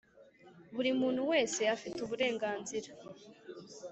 Buri muntu wese afite uburenganzira